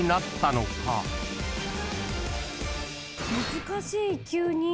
難しい急に。